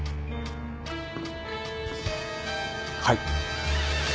はい